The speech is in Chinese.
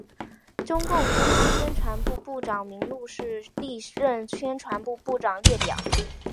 中共中央宣传部部长名录是历任宣传部部长列表。